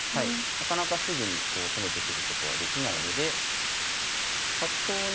なかなかすぐに攻めてくることはできないので角頭をね